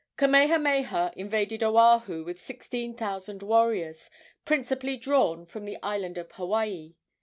Kamehameha invaded Oahu with sixteen thousand warriors, principally drawn from the island of Hawaii.